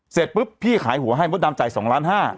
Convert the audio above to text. เสร็จปุ๊บพี่ขายหัวให้มดดำจ่าย๒ล้านห้า